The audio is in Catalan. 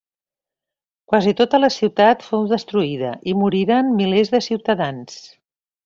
Quasi tota la ciutat fou destruïda i moriren milers de ciutadans.